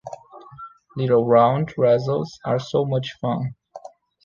Little round Razzles are so much fun.